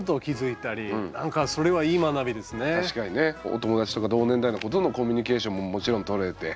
お友達とか同年代の子とのコミュニケーションももちろんとれて。